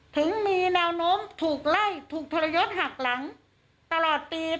ถึงมีแนวโน้มถูกไล่ถูกทรยศหักหลังตลอดปี